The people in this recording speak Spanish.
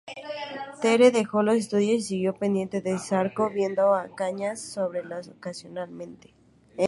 Tere dejó los estudios y siguió pendiente del Zarco, viendo a Cañas sólo ocasionalmente.